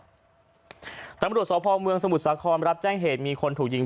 ตำรวจสพเมืองสมุทรสาครรับแจ้งเหตุมีคนถูกยิง